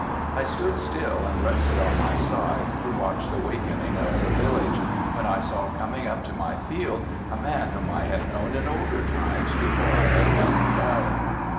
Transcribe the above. I stood still and rested on my scythe to watch the awakening of the village, when I saw coming up to my field a man whom I had known in older times, before I had left the Valley.